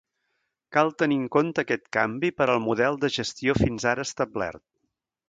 Cal tenir en compte aquest canvi per al model de gestió fins ara establert.